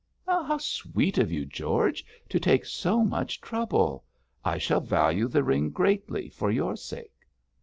'How sweet of you, George, to take so much trouble! I shall value the ring greatly for your sake.'